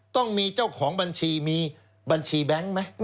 ต้องมีเจ้าของบัญชีมีบัญชีแบงค์ไหม